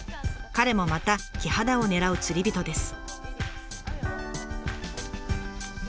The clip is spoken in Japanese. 彼もまたキハダを狙う釣り人です。